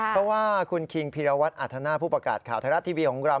เพราะว่าคุณคิงพีรวัตรอัธนาผู้ประกาศข่าวไทยรัฐทีวีของเรา